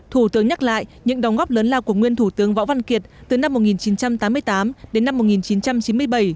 thủ tướng nhắc lại những đóng góp lớn lao của nguyên thủ tướng võ văn kiệt từ năm một nghìn chín trăm tám mươi tám đến năm một nghìn chín trăm chín mươi bảy